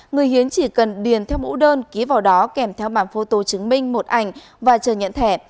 người hiến chỉ cần điền theo mẫu đơn ký vào đó kèm theo mảng photo chứng minh một ảnh và chờ nhận thẻ